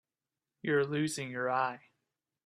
You're losing your eye.